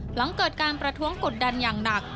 หลังเกิดการประท้วงกดดันอย่างหนัก